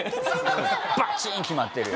バチーン決まってるよ。